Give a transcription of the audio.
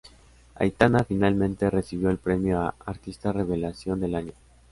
Aitana finalmente, recibió el premio a "Artista Revelación del Año".